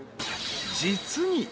［実に］